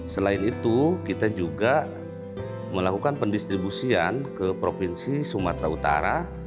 selain itu kita juga melakukan pendistribusian ke provinsi sumatera utara